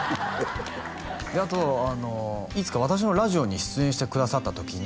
あとあの「いつか私のラジオに出演してくださった時に」